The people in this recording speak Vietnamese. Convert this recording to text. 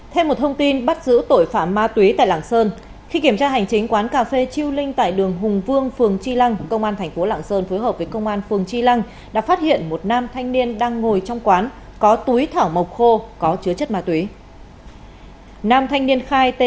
thêm một thông tin bắt giữ tội phạm ma túy tại lạng sơn khi kiểm tra hành chính quán cà phê chiêu linh tại đường hùng vương phường tri lăng công an thành phố lạng sơn phối hợp với công an phường tri lăng đã phát hiện một nam thanh niên đang ngồi trong quán có túi thảo mộc khô có chứa chất ma túy